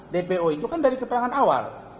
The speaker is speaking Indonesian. dpo itu kan dari keterangan awal